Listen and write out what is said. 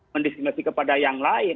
mendiskriminasi kepada yang lain